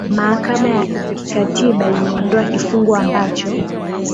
mahakama ya kikatiba imeondoa kifungu ambacho